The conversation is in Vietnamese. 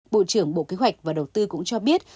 bộ trưởng bộ kế hoạch và đầu tư cũng cho biết